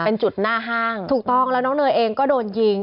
เป็นจุดหน้าห้างถูกต้องแล้วน้องเนยเองก็โดนยิง